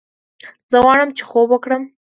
زه غواړم چې خوب وکړم